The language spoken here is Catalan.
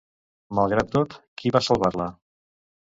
Malgrat tot, qui va salvar-la?